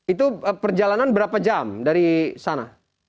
itu perjalanan berapa jam dari sana